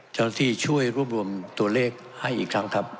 เจ้าหน้าที่ช่วยรวบรวมตัวเลขให้อีกครั้งครับ